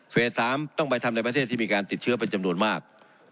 ๓ต้องไปทำในประเทศที่มีการติดเชื้อเป็นจำนวนมาก